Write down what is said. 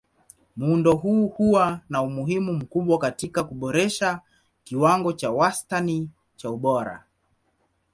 Muundo huu huwa na umuhimu mkubwa katika kuboresha kiwango cha wastani cha ubora.